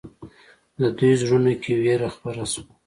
د دوی زړونو کې وېره خپره شوه.